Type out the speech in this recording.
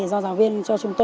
do giáo viên cho chúng tôi